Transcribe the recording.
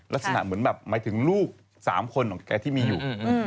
ลักษณะเหมือนแบบหมายถึงลูก๓คนของแกที่มีอยู่